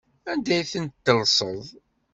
Anda ay tent-tellseḍ?